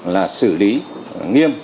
là xử lý nghiêm